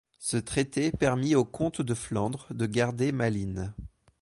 Ce traité permit au comte de Flandre de garder Malines.